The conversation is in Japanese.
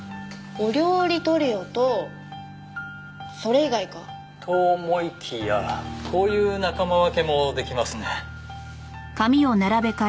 お料理トリオとそれ以外か。と思いきやこういう仲間分けも出来ますね。